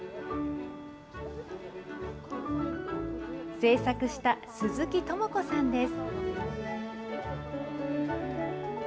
制作した鈴木友子さんです。